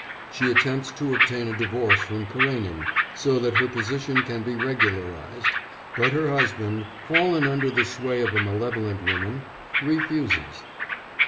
She attempts to obtain a divorce from Karénin, so that her position can be regularised, but her husband, fallen under the sway of a malevolent woman, refuses.